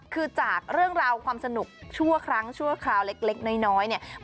คือจากเรื่องราวความสนุกชั่วครั้งชั่วคราวเล็กน้อยเนี่ย